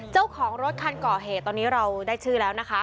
เจ้าของรถคันก่อเหตุตอนนี้เราได้ชื่อแล้วนะคะ